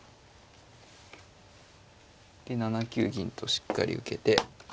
で７九銀としっかり受けて。